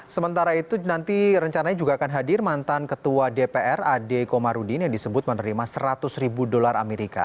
sementara itu nanti rencananya juga akan hadir mantan ketua dpr ade komarudin yang disebut menerima seratus ribu dolar amerika